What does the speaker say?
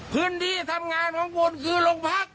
พื้นที่ทำงานของคุณคือโรงพัก